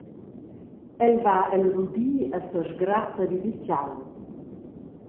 El va el rudi e sesgratta vid il tgau.